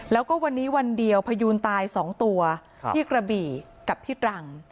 แล้วก็วันนี้วันเดียวพยูนตาย๒ตัวที่กระบี่กับที่ตรัง